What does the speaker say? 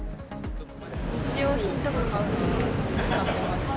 日用品とか買うのに使ってます。